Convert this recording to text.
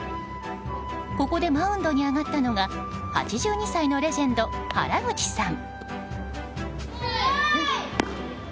ここでマウンドに上がったのが８２歳のレジェンド、原口さん。